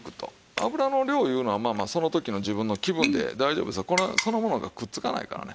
油の量いうのはまあまあその時の自分の気分で大丈夫ですからこれはそのものがくっつかないからね。